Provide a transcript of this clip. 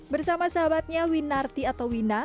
bersama sahabatnya winarti atau wina